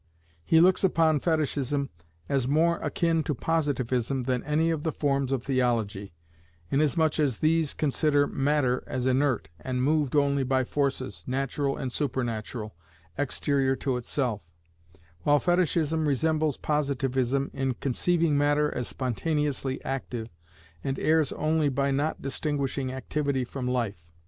He looks upon Fetishism as much more akin to Positivism than any of the forms of Theology, inasmuch as these consider matter as inert, and moved only by forces, natural and supernatural, exterior to itself: while Fetishism resembles Positivism in conceiving matter as spontaneously active, and errs only by not distinguishing activity from life.